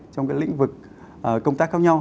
trong các lĩnh vực công tác khác nhau